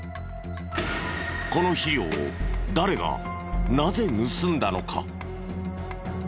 この肥料を誰がなぜ盗んだのか？